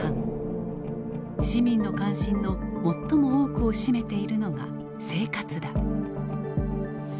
市民の関心の最も多くを占めているのが「生活」だ。